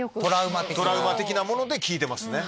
トラウマ的なもので聞いてますね。